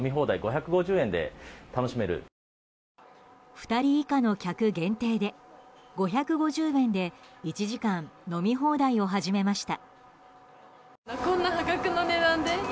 ２人以下の客限定で５５０円で１時間飲み放題を始めました。